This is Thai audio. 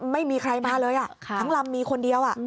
ไม่มีใครมาเลยทั้งลำมีคนเดียว